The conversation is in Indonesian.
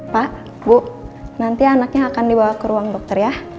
pak bu nanti anaknya akan dibawa ke ruang dokter ya